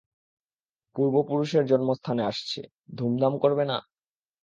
পূর্বপুরুষের জন্মস্থানে আসছে, ধুমধাম করবে না?